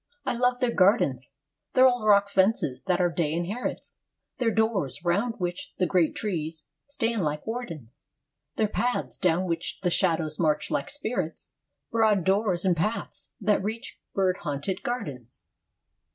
I love their gardens; Their old rock fences, that our day inherits; Their doors, round which the great trees stand like wardens; Their paths, down which the shadows march like spirits; Broad doors and paths that reach bird haunted gardens.